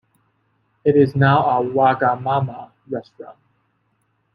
It is now a Wagamama restaurant.